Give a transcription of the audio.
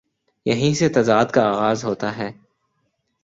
یہیں سے تضاد کا آ غاز ہو تا ہے۔